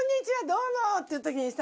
どうも！」っていう時にさ